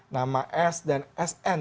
nama s dan sn